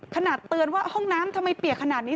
เตือนว่าห้องน้ำทำไมเปียกขนาดนี้